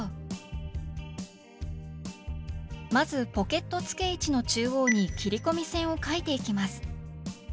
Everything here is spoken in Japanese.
まずポケット付け位置の中央に切り込み線を書いていきます。